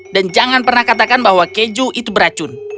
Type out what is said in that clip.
dan jangan pernah katakan bahwa keju itu beracun